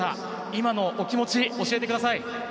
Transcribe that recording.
今のお気持ち、教えてください。